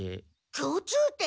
共通点？